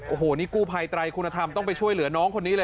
โอ้โหนี่กู้ภัยไตรคุณธรรมต้องไปช่วยเหลือน้องคนนี้เลย